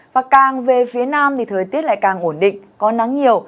và càng về phía nam thì thời tiết lại càng ổn định có nắng nhiều